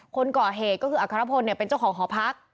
คนก่อเหตุก็คืออัครพลเป็นเจ้าของหอพัก